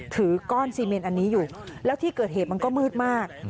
ถือก้อนซีเมนอันนี้อยู่แล้วที่เกิดเหตุมันก็มืดมาก